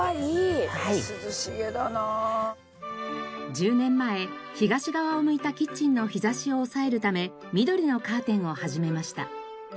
１０年前東側を向いたキッチンの日差しを抑えるため緑のカーテンを始めました。